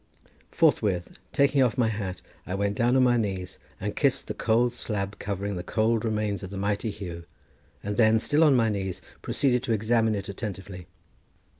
Forthwith taking off my hat, I went down on my knees and kissed the cold slab covering the cold remains of the mighty Huw, and then, still on my knees, proceeded to examine it attentively.